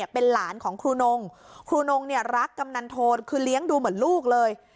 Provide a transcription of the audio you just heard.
เป็นหลานของครูนงครูนงเนี่ยรักกำนันโทนคือเลี้ยงดูเหมือนลูกเลย